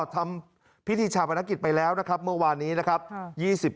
ทำพิธีชาปนกิจไปแล้วนะครับเมื่อวานนี้นะครับ